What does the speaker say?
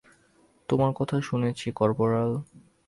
তোমার কথা শুনেছি, কর্পোরাল।